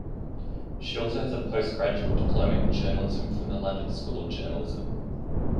She also has a Postgraduate Diploma in Journalism from the London School of Journalism.